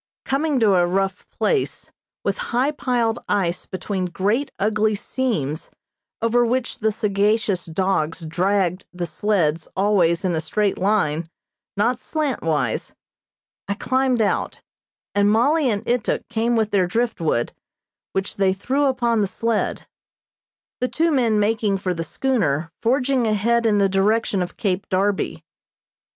Coming to a rough place, with high piled ice between great, ugly seams over which the sagacious dogs dragged the sleds always in a straight line, not slantwise, I climbed out, and Mollie and Ituk came with their driftwood, which they threw upon the sled; the two men making for the schooner forging ahead in the direction of Cape Darby.